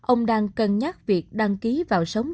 ông đang cân nhắc việc đăng ký vào sống